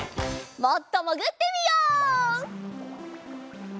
もっともぐってみよう！